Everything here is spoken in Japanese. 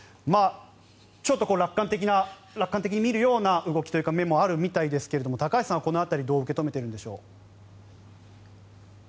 ちょっと楽観的に見るような動きというのもあるみたいですが高橋さんはこの辺りどう受け止めているんでしょう。